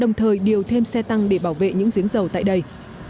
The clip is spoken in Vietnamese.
đồng thời điều thêm xe tăng để bảo vệ những giếng dầu tại đây